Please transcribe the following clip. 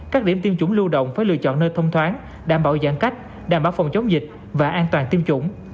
các điểm tiêm chủng lưu động phải lựa chọn nơi thông thoáng đảm bảo giãn cách đảm bảo phòng chống dịch và an toàn tiêm chủng